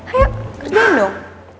ayo kerjain dong